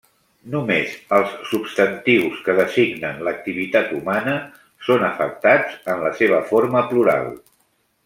Només els substantius que designen l'activitat humana són afectats en la seva forma plural.